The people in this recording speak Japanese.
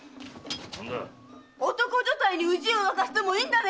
男所帯にウジをわかせてもいいんだね